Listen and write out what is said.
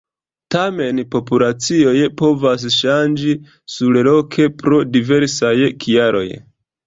Tamen, populacioj povas ŝanĝi surloke pro diversaj kialoj.